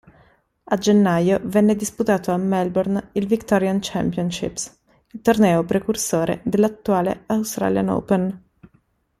A gennaio venne disputato a Melbourne il Victorian Championships, torneo precursore dell'attuale Australian Open.